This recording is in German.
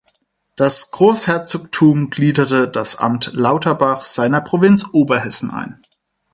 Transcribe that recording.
Das Großherzogtum gliederte das "Amt Lauterbach" seiner Provinz Oberhessen ein.